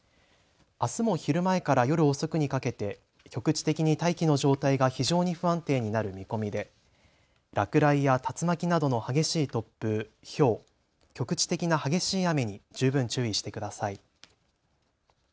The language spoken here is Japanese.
あすも昼前から夜遅くにかけて局地的に大気の状態が非常に不安定になる見込みで落雷や竜巻などの激しい突風、ひょう、局地的な激しい雨に十分注意してください。